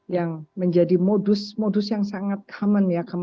yang menjadi modus modus yang sangat common ya